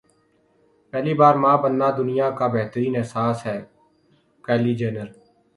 پہلی بار ماں بننا دنیا کا بہترین احساس ہے کایلی جینر